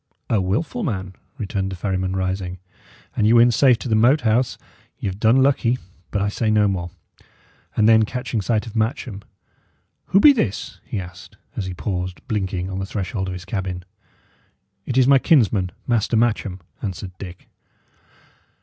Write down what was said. "A wilful man!" returned the ferryman, rising. "An ye win safe to the Moat House, y' have done lucky; but I say no more." And then catching sight of Matcham, "Who be this?" he asked, as he paused, blinking, on the threshold of his cabin. "It is my kinsman, Master Matcham," answered Dick.